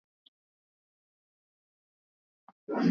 kama moja nchini afrika kusini imesogeza mbele siku ya kutoa hukumu